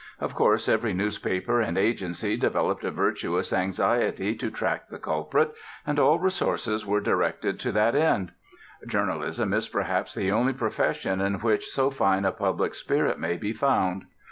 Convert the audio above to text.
Of course every newspaper and agency developed a virtuous anxiety to track the culprit, and all resources were directed to that end. Journalism is perhaps the only profession in which so fine a public spirit may be found.